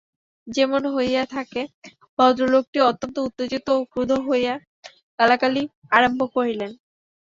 যেমন হইয়া থাকে, ভদ্রলোকটি অত্যন্ত উত্তেজিত ও ক্রুদ্ধ হইয়া গালাগালি আরম্ভ করিলেন।